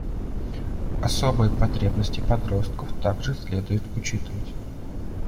Особые потребности подростков также следует учитывать.